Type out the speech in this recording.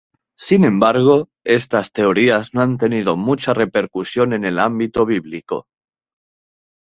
Sin embargo, estas teorías no han tenido mucha repercusión en el ámbito bíblico.